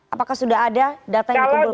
apakah sudah ada data yang dikumpulkan